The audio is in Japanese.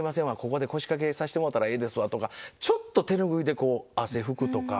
ここで腰掛けさしてもろたらええですわ」とかちょっと手拭いでこう汗拭くとか。